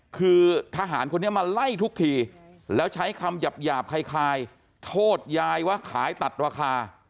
คือทหารคนนี้มาไล่ทุกทีแล้วใช้คำหยาบคล้ายโทษยายว่าขายตัดราคา